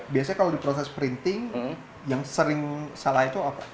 biasanya kalau di proses printing yang sering salah itu apa